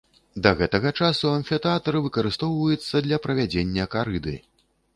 Да гэтага часу амфітэатр выкарыстоўваецца для правядзення карыды.